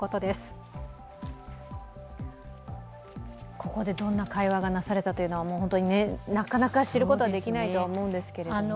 ここでどんな会話がなされたというのは、なかなか知ることはできないとは思うんですけれども。